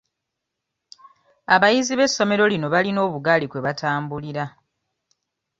Abayizi b'essomero lino balina obugaali kwe batambulira.